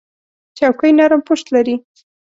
چوکۍ نرم پُشت لري.